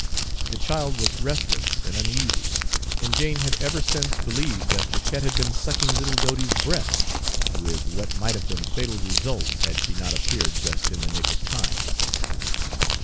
The child was restless and uneasy, and Jane had ever since believed that the cat had been sucking little Dodie's breath, with what might have been fatal results had she not appeared just in the nick of time.